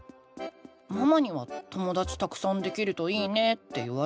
ママには「ともだちたくさんできるといいね」って言われたけど。